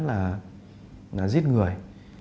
là giết người